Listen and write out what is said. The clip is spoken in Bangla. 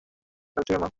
হঠাৎ ঈশ্বরকে ডাকছো কেন?